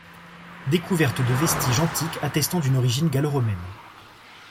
Découverte de vestiges antiques attestant d'une origine gallo-romaine.